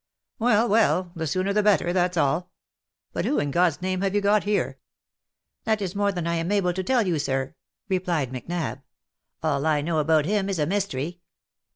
" Well, well, the sooner the better, that's all. But who in God's name have you got here V " That is more than I am able to tell you, sir," replied Macnab. " All I know about him is a mystery.